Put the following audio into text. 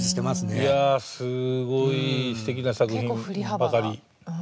いやすごいすてきな作品ばかり。